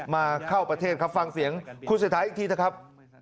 มาเข้าประเทศครับฟังเสียงคุณเศรษฐาอีกทีนะครับ